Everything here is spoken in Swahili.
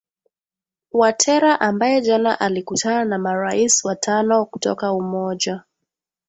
watera ambaye jana alikutana na marais watano kutoka umoja